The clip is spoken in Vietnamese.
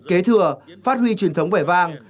kế thừa phát huy truyền thống vẻ vang